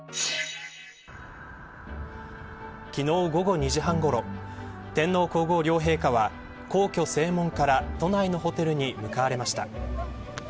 昨日午後２時半ごろ天皇皇后両陛下は皇居正門から都内のホテルに向かわれました。